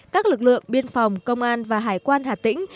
các lực lượng biên phòng công an và hải quan hà tĩnh